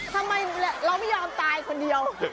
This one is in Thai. ทำไมเราไม่ยอมตายคนเดียว